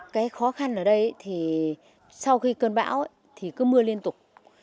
cái khó khăn ở đây thì sau khi cơn bão thì cứ mưa liên tục